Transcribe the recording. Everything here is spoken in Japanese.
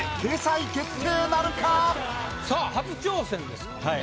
さあ初挑戦ですけどね。